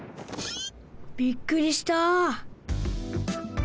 びっくりした！